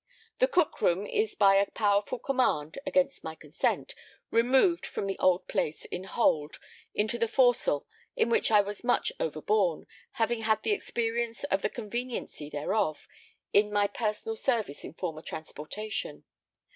The cook room is by a powerful command (against my consent) removed from the old place in hold into the forecastle, in which I was much overborne, having had the experience of the conveniency thereof, in my personal service in former transportation.